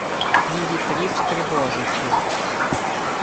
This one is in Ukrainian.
Ні вітрів-стрибожичів